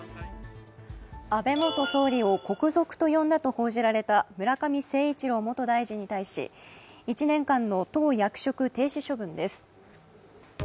安倍元総理を国賊と呼んだと報じられた村上誠一郎元大臣に対し１年間の党役職停止処分です。